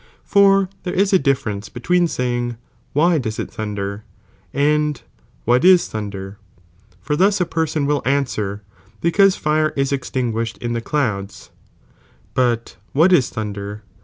For there is a difference between saying, why does it thunder ? and what is thunder? for thus a person will answer, because fire is extinguished in the clouds ; but what is thunder